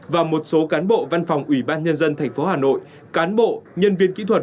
và một số cán bộ văn phòng ủy ban nhân dân tp hà nội cán bộ nhân viên kỹ thuật